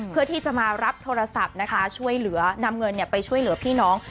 เพื่อที่จะมารับโทรศัพท์นะคะช่วยเหลือนำเงินไปช่วยเหลือพี่น้อง